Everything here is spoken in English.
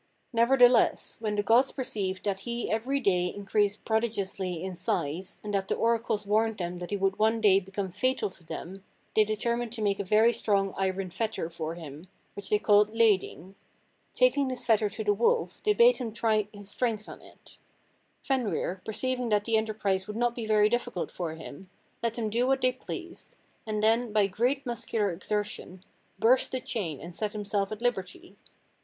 Nevertheless, when the gods perceived that he every day increased prodigiously in size, and that the oracles warned them that he would one day become fatal to them, they determined to make a very strong iron fetter for him, which they called Læding. Taking this fetter to the wolf, they bade him try his strength on it. Fenrir, perceiving that the enterprise would not be very difficult for him, let them do what they pleased, and then, by great muscular exertion, burst the chain and set himself at liberty.